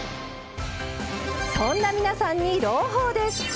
そんな皆さんに朗報です！